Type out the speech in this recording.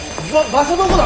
場所どこだ？